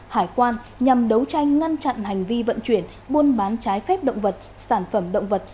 hải quan nhằm đấu tranh ngăn chặn hành vi vận chuyển buôn bán trái phép động vật sản phẩm động vật